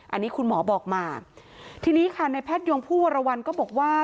อันนี้คุณหมอบอกมาทีนี้ค่ะในแพทยงผู้วรวรรณก็บอกว่า